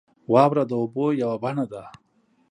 • واوره د اوبو یوه بڼه ده.